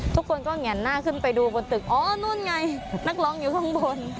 ทุกคนก็แง่นหน้าขึ้นไปดูบนตึกอ๋อนู่นไงนักร้องอยู่ข้างบน